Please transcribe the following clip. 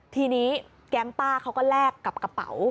ทีนี้แก๊งป้าเขาก็แลกกับกระเป๋า